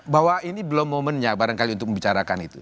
bahwa ini belum momennya barangkali untuk membicarakan itu